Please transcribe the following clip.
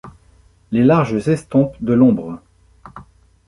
Les larges estompes de l'ombre